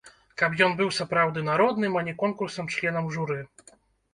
Каб ён быў сапраўды народным, а не конкурсам членаў журы.